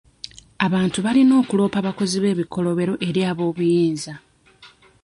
Abantu balina okulopa abakozi b'ebikolobero eri ab'obuyinza.